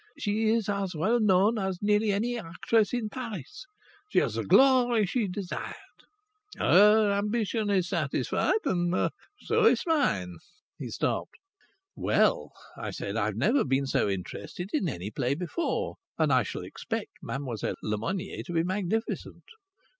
She is as well known as nearly any actress in Paris. She has the glory she desired." He smiled curiously. "Her ambition is satisfied so is mine." He stopped. "Well," I said, "I've never been so interested in any play before. And I shall expect Mademoiselle Lemonnier to be magnificent."